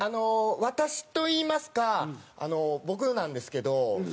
私といいますかあの僕なんですけど。